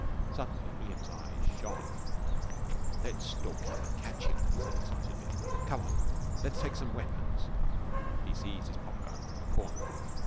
Suddenly William's eyes shone. "Let's stalk him an' catch him," he said excitedly. "Come on. Let's take some weapons." He seized his pop gun from a corner.